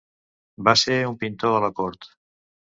Va ser un pintor de la cort.